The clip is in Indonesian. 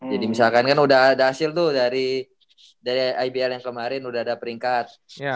jadi misalkan kan udah ada hasil tuh dari ibl yang kemarin udah ada peringkat